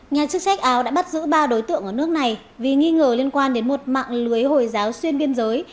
nhà chức trách áo đã bắt giữ ba đối tượng ở nước này vì nghi ngờ liên quan đến một mạng lưới hồi giáo xuyên biên giới